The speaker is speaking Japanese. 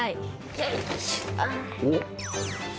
よいしょ。